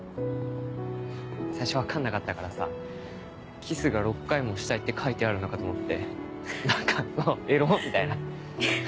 最初分かんなかったからさ「キスが６回もしたい」って書いてあるのかと思って何かエロっ！みたいな。